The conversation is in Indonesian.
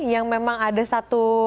yang memang ada satu